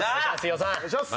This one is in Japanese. はいお願いします。